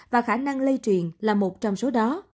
và khả năng lây truyền là một trong số đó